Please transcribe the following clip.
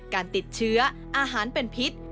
การติดเชื้ออาหารเป็นพิษ